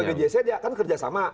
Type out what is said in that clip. karena sebagai jsc dia akan kerja sama